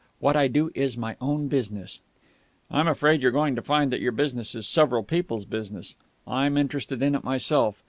What I do is my own business." "I'm afraid you're going to find that your business is several people's business. I am interested in it myself.